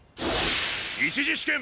１次試験